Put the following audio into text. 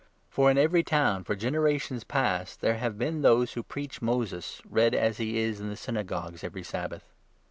For in 21 every town, for generations past, there have been those who preach Moses, read as he is in the Synagogues every Sabbath."